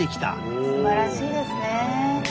すばらしいですね。